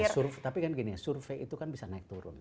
survei tapi kan gini ya survei itu kan bisa naik turun